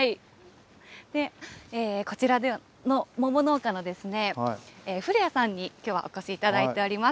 こちら、桃農家の古屋さんにきょうはお越しいただいております。